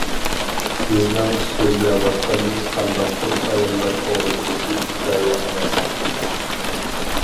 بىزنىڭ سۆزلەۋاتقىنىمىز قانداقتۇر ئاياللار توغرىسىدىكى ھېكايە ئەمەس.